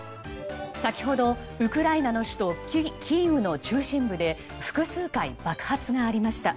先ほどウクライナの首都キーウの中心部で複数回、爆発がありました。